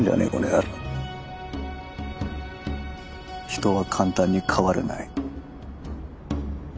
人は簡単に変われない。